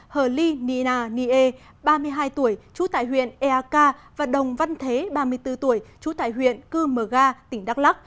hờ ly nina nie ba mươi hai tuổi chú tại huyện eaka và đồng văn thế ba mươi bốn tuổi chú tại huyện cư mờ ga tỉnh đắk lắc